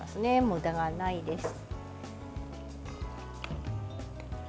むだがないです。